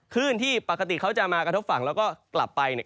ขึ้นที่ปกติเขาจะมากระทบฝั่งแล้วก็กลับไปเนี่ย